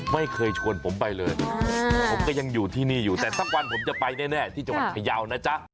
ไม่เคยชวนผมไปเลยผมก็ยังอยู่ที่นี่อยู่แต่สักวันผมจะไปแน่ที่จังหวัดพยาวนะจ๊ะ